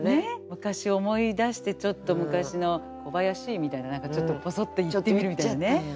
昔を思い出してちょっと昔の「小林」みたいな何かちょっとボソッと言ってみるみたいなね。